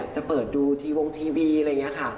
จะเปิดดูทีวงทีวีอะไรอย่างนี้ค่ะ